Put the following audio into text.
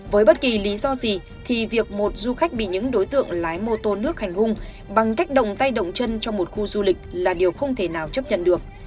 với bất kỳ lý do gì thì việc một du khách bị những đối tượng lái mô tô nước hành hung bằng cách đồng tay động chân trong một khu du lịch là điều không thể nào chấp nhận được